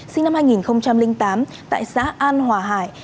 sinh năm hai nghìn tám tại xã an hòa hải